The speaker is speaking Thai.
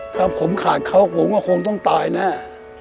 ถ้าผมขาดเขาผมก็คงต้องตายแน่